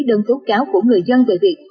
đơn tốt cáo của người dân về việc